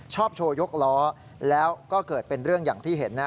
ชอบโชว์ยกล้อแล้วก็เกิดเป็นเรื่องอย่างที่เห็น